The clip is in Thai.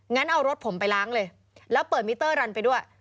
งั้นเอารถผมไปล้างเลยแล้วเปิดมิเตอร์รันไปด้วย